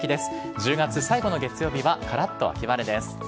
１０月最後の月曜日はからっと秋晴れです。